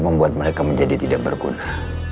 membuat mereka menjadi tidak berguna